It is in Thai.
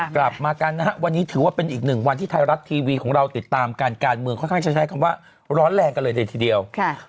กลับมากันนะฮะวันนี้ถือว่าเป็นอีกหนึ่งวันที่ไทยรัฐทีวีของเราติดตามการการเมืองค่อนข้างจะใช้คำว่าร้อนแรงกันเลยทีเดียว